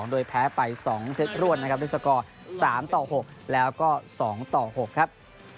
โดยแพ้ไป๒เซตรวดนะครับด้วยสกอร์๓ต่อ๖แล้วก็๒ต่อ๖ครับ